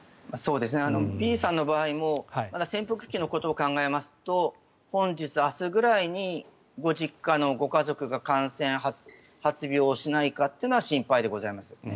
Ｂさんの場合も潜伏期のことを考えますと本日、明日ぐらいにご実家のご家族が感染、発病しないかっていうのは心配でございますね。